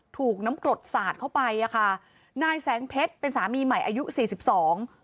ถูกน้ำกรดสาดเข้าไปอ่ะค่ะนายแสงเพชรเป็นสามีใหม่อายุสี่สิบสอง